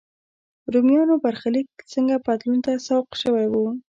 رومیانو برخلیک څنګه بدلون ته سوق شوی و.